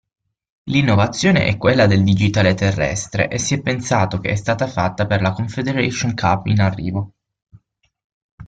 L' innovazione è quella del digitale terrestre e si è pensato che è stata fatta per la Confederation Cup in arrivo.